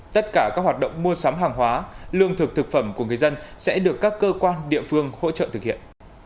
tất cả các hoạt động mua sắm hàng hóa lương thực thực phẩm của người dân sẽ được các cơ quan địa phương hỗ trợ thực hiện